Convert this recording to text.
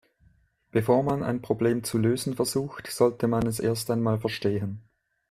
Bevor man ein Problem zu lösen versucht, sollte man es erst einmal verstehen.